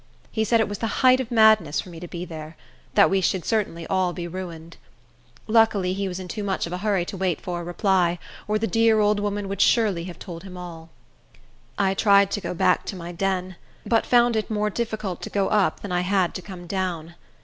He said it was the height of madness for me to be there; that we should certainly all be ruined. Luckily, he was in too much of a hurry to wait for a reply, or the dear old woman would surely have told him all. I tried to go back to my den, but found it more difficult to go up than I had to come down.